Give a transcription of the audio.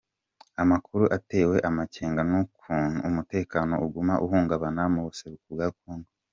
Amakungu atewe amakenga n'ukuntu umutekano uguma uhungabana mu buseruko bwa Congo.